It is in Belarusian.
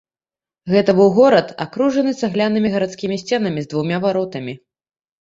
Гэта быў горад, акружаны цаглянымі гарадскімі сценамі з двума варотамі.